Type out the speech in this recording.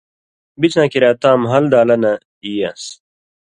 بِڅاں کریا تاں مھال دالہ نہ ای یان٘س